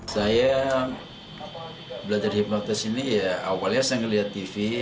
saya belajar hipnotis ini ya awalnya saya melihat tv